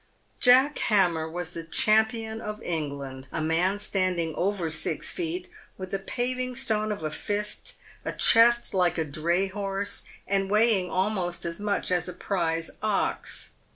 Jack Hammer was the champion of England, — a man standing over six feet, with a paving stone of a fist, a chest like a dray horse, and weighing almost as much as a prize ox.